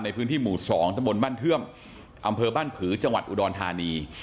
ในพื้นที่หมู่๒ตะบนบ้านเทื่อมอำเภอบ้านผือจังหวัดอุดรธานี